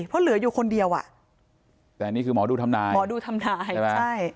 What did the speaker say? เพราะเหลืออยู่คนเดียวอ่ะแต่นี่คือหมอดูทำนายหมอดูทำนายใช่ไหมใช่